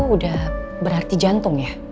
udah berarti jantung ya